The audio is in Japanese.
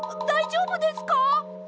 だいじょうぶか？